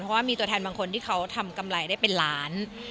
เพราะว่ามีตัวแทนบางคนที่เขาทำกำไรได้เป็นล้าน